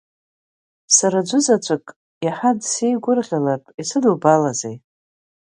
Сара аӡәзаҵәык иаҳа дсеигәырӷьалартә, исыдылбалазеи?